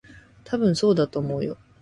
たぶん、そうだと思うよ。